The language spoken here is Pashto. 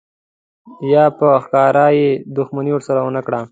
یا په ښکاره یې دښمني ورسره ونه کړه.